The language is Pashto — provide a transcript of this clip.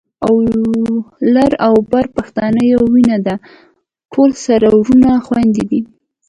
لر او بر پښتانه يوه وینه ده، ټول سره وروڼه خويندي دي